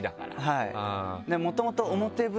はい。